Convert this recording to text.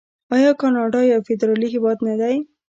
آیا کاناډا یو فدرالي هیواد نه دی؟